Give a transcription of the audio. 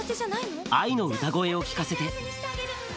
アイの歌声を聴かせて。